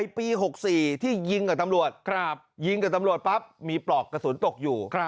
ปี๖๔ที่ยิงกับตำรวจยิงกับตำรวจปั๊บมีปลอกกระสุนตกอยู่